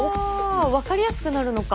分かりやすくなるのか。